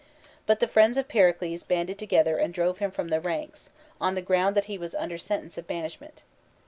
But the friends of Pericles banded together and drove him from the ranks, on the ground that he was under sen tence of banishment.